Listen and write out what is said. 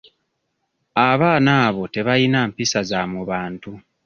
Abaana abo tebayina mpisa za mu bantu.